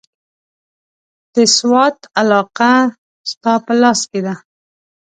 د سوات علاقه ستا په لاس کې ده.